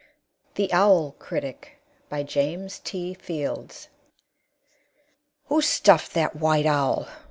THE OWL CRITIC BY JAMES T. FIELDS "Who stuffed that white owl?"